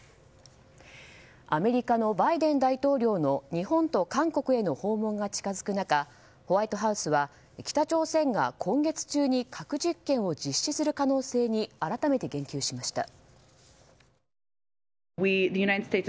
アメリカのバイデン大統領の日本と韓国への訪問が近づく中ホワイトハウスは北朝鮮が今月中に核実験を実施する可能性に改めて言及しました。